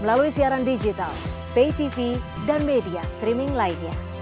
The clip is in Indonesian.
melalui siaran digital pay tv dan media streaming lainnya